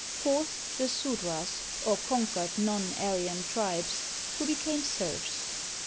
Fourth, the Sudras, or conquered non Aryan tribes, who became serfs.